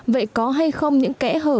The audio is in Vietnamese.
vậy có hay không những kẽ hở